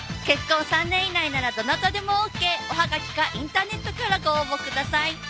結婚３年以内ならどなたでもＯＫおはがきかインターネットからご応募ください